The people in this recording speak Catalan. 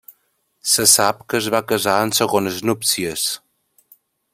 Se sap que es va casar en segones núpcies.